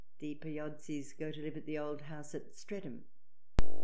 The Piozzis go to live at the old house at Streatham.